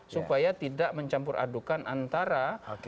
supaya tidak mencampur adukan antara